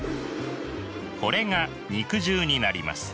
これが肉汁になります。